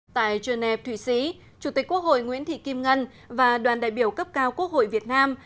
tại geneva thụy sĩ chủ tịch quốc hội nguyễn thị kim ngân và đoàn đại biểu cấp cao quốc hội việt nam